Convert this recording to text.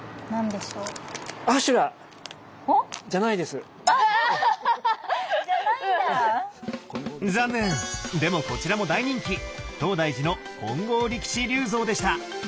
でもこちらも大人気東大寺の「金剛力士立像」でした。